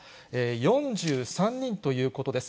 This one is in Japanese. ４３人ということです。